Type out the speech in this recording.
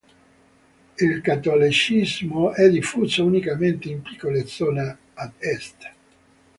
Il cattolicesimo è diffuso unicamente in piccole zone ad est.